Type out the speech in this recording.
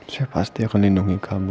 saya pasti akan lindungi kami